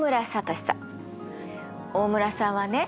大村さんはね